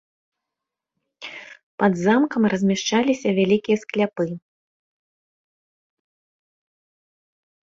Пад замкам размяшчаліся вялікія скляпы.